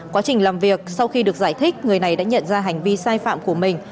quá trình làm việc sau khi được giải thích người này đã nhận ra hành vi sai phạm của mình